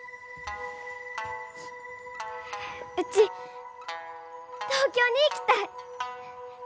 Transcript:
うち東京に行きたい！